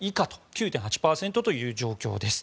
９．８％という状況です。